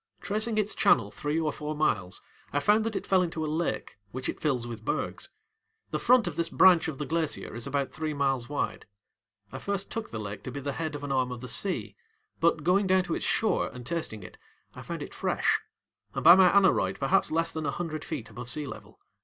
Tracing its channel three or four miles, I found that it fell into a lake, which it fills with bergs. The front of this branch of the glacier is about three miles wide. I first took the lake to be the head of an arm of the sea, but, going down to its shore and tasting it, I found it fresh, and by my aneroid perhaps less than a hundred feet above sea level.